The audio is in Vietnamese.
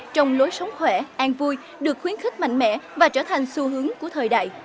trong lối sống khỏe an vui được khuyến khích mạnh mẽ và trở thành xu hướng của thời đại